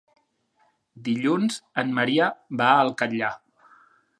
Dilluns en Maria va al Catllar.